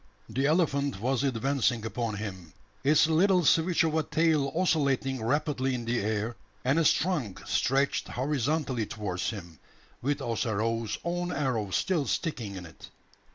The elephant was advancing upon him, its little switch of a tail oscillating rapidly in the air, and its trunk stretched horizontally towards him, with Ossaroo's own arrow still sticking in it.